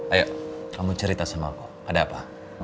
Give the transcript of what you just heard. ayo kamu cerita sama kok ada apa